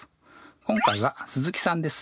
今回は鈴木さんです。